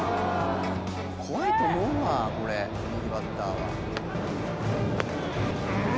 怖いと思うわこれ右バッターは。